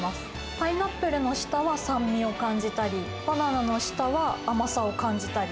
パイナップルの下は酸味を感じたり、バナナの下は甘さを感じたり。